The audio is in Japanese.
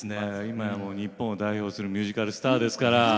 いまやもう日本を代表するミュージカルスターですから。